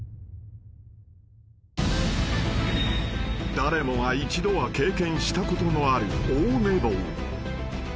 ［誰もが一度は経験したことのある］